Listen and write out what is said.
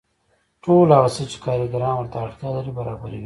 ټول هغه څه چې کارګران ورته اړتیا لري برابروي